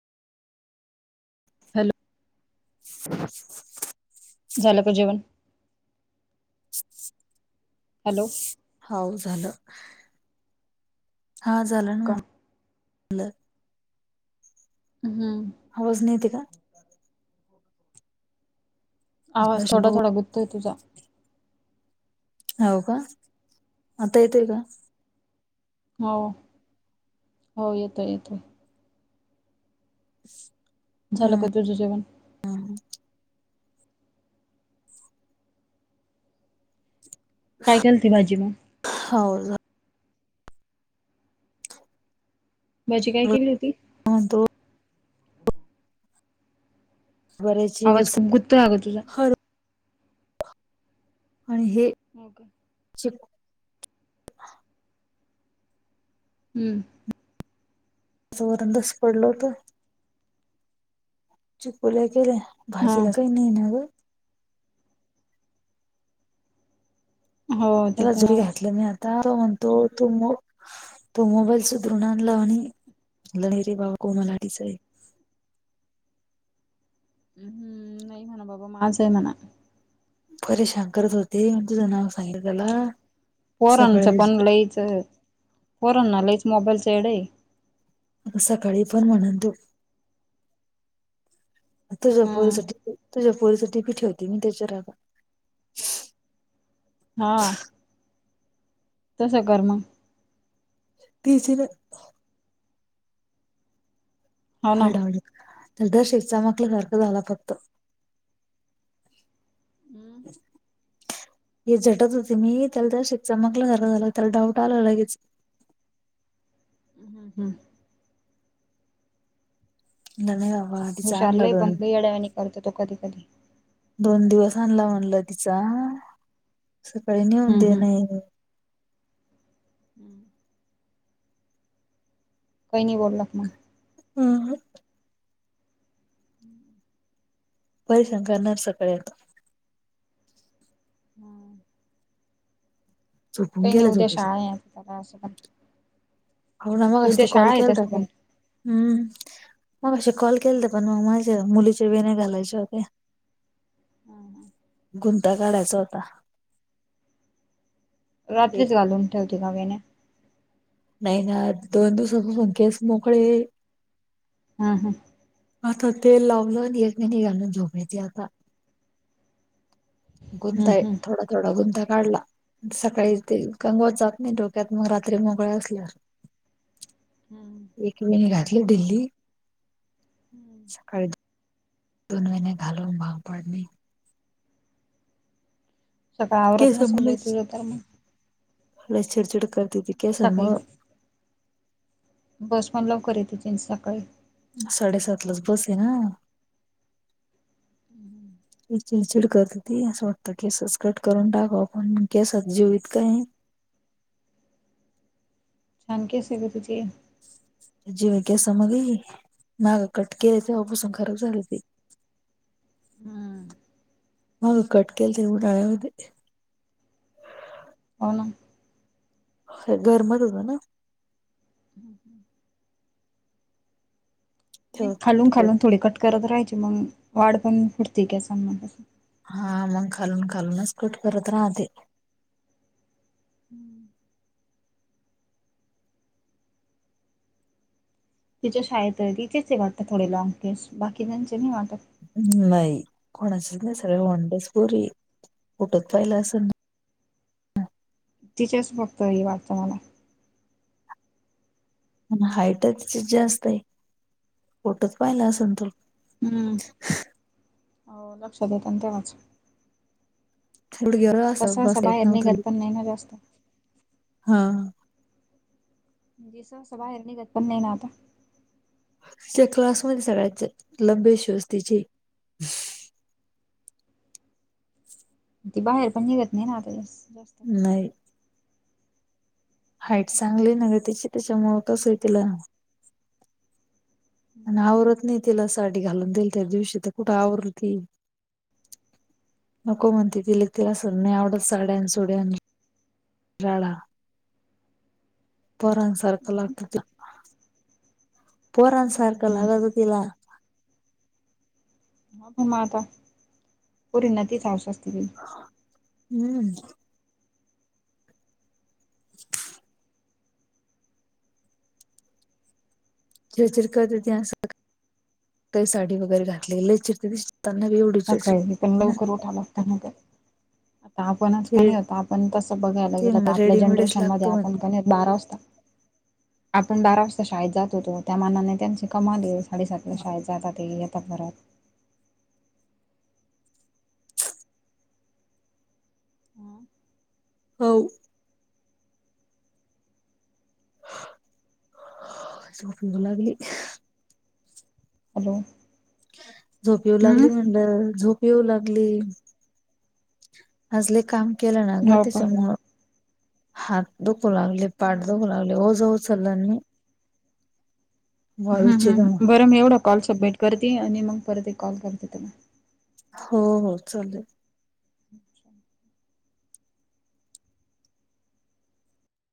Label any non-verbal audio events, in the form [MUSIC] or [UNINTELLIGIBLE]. Hello [UNINTELLIGIBLE] झालं का जेवण? [UNINTELLIGIBLE] हॅलो हाव झालं हा झालं हो ना का म्ह- म्हणलं. ह्म आवाज नाही येते का? का आवाज थोडा शंभू थोडा गुततोय तुझा. हाव का. आता येतोय का? हो. हो येतोय येतोय. झालं का हम्म तुझं जेवण हम्म काय केलती भाजी मग? फावज, भाजी काय केली होती? आण तो. बऱ्याची आवाज उस खुप गुतोय आगं तुझा. हर आणि हे, हो का. [UNINTELLIGIBLE] हम. जोरान दचपडल होतं. चकुल्या केल्या, हा भाजीला काही नाही ना गं. हो ते रोज तर जरी आहेच घातल्या मी आता, तो म्हणतो तू मो तो मोबाईल सुधरून आणला म्हणे, [UNINTELLIGIBLE] भाऊ कोमल अडीच आहे. हम नाय मना बाबा माझं आहे म्हणा. परेशान करत होती म्हणजे, तुझं नाव सांगितलं त्यांला. पोरांचं पण लईच, पोरांना लईच मोबाईलचं येड ये सकाळी पण म्हणल तो हम्म तुझ्यापोरीसाठी. तुझ्या पोरीसाठी [UNINTELLIGIBLE] होती त्यांच्या रागा. हा. तसं कर मग. [UNINTELLIGIBLE] हो ना हडळ तर दर्शक चामकल्यासारखं झाला फक्तं. [INAUDIBLE] हे झटत होती मी. त्याला त्या दर्शक चमकल झाला, त्याला डाऊट आलं लगेच. हम हम. धन्य आहे बाबा, हुशार चांगलं लई घर पण ये. लई येड्यावानी करतो तो कधी कधी दोन दिवस आणला म्हणलं तिचा, सकाळी नेऊन हम्म दे ने. हम. कै नाही बोलात मग. अहम. [INAUDIBLE] परेशान करणारं सकाळी आता. हां. झोपून काही नाही गेला उद्या झोपेच शाळा [UNINTELLIGIBLE] हो ना, मग मगाशी उद्या तु शाळा कॉल आहे केलता तसं का पण हम्म. मगाशी कॉल केलता पण, मग माझ्या मुलीच्या वेण्या घालायच्या होत्या. हा. हा. गुंता काढायचा होता. रात्रीच एक घालून ठेवते का वेण्या. नाही ना, दोन दिवसांपासून केस मोकळे. हा हा. आता तेल लावलं आणि, एक वेणी घालून झोपायची आता. हम्म गुंता आहे, हम्म थोडा थोडा गुंता काढला. सकाळी ते कंगवा जात नाही, डोक्यात मग रात्री मोकळे असल्यावर. हम्. एक वेनी घातली ढिल्ली सकाळी दोन वेण्या घालून भाग पाडणे. सकाळी आवरत नसेल बाई, तुझं तर मग. लैच चिडचिड करते ती सकाळी केसानमुळं. बस पण लवकर येथे तिन सकाळी. साडेसातलाच बस आहे ना, [UNINTELLIGIBLE] ती चिडचिड करती असं वाटत केसच कट करून टाकव केसात जीव ईतका आहे ना. छान केस ग तुझी. जीव केसा मधी माग कट केला तेव्हापासून खराब झाले ते! ह कट केलते उन्हाळ्यामध्ये. हा ना हे घर बंद होत ना. [UNINTELLIGIBLE] नाही. खालून तेव्हा खालून थोडी कट करत राहायची मग वाढ पण फुटते केसांमधून हा मग खालून खालूनच कट करत राहते. हम्म [INAUDIBLE] तिच्या शाळेत तिचेच वाटतात थोडे लाॅग केस बाकी तेचे नाही वाटतं. नाही कोणाचच नाही सगळ वन डेस पोरी फुठत पाहिलं असलं, तिच्याच फक्त ह वाटतं मला [UNINTELLIGIBLE] हाईट त्या जास्त हे फोटच पाहिला असेल तु. हम्म हो लक्षात येतं ना तेव्हा. थड गेर आता सहसा बस येत बाहेर नाव त निघत पण नाही ना जास्त. [UNINTELLIGIBLE] मी सहसा बाहेर निघत पण नाही आता. तीच्या क्लासमध्येध्ये सगळ्यातच लंबी शूज तिचे. ती बाहेर पण निघत नाही ना आता जास्त. नाही. हाईट चांगली नग त् तिची त्यांच्यामुळे तसं हे तिला. आणि आवरत नाही तिला साडी घालून देईल त्या दिवशी तर कुठे आवर ती- नको म्हणते तिला, तिला सन नाही आवडत साड्या आणि सोड्या- राडा पोरांसारखा लागतो त्या पोरांसारखं हम्म लागतो तिला. बघु मग आता पोरींना तीच हावस असते ती. हम्म [INAUDIBLE] चिडचिड करती असं का साडी वगैरे घातली लय चिडचिड. तन वीड [UNINTELLIGIBLE] सकाळीच पण लवकर उठावं लागत ना. आता आपणच काणी आपण तसं बघायला ते गेलं म्हणलं तर आपल्या रेडीमेडच जनरेशन मध्ये लागतं म्हण आपण का नाही बारा वाजता, आपण बारा वाजता शाळेत जात होतो त्या मानाने त्यांची कमाल, साडेसात ला शाळेत जाता ते येतात परत, ह हो झोप येऊ लागली. हॅलो! झोप येऊ लागली हम्म म्हणलं, झोप येऊ लागली. आज लय काम केलं ना ग हो का. त्यांच्यामुळे हात दुखु लागले त. पाठ हम्म दुखू हम्म. लागली, ओझ उचल मी हम्म वाळूची घेऊन हम्म, बरं मी एवढा कॉल सबमिट करती आणि मग परत एक कॉल करते तुम्हाला. हो हो चालेल.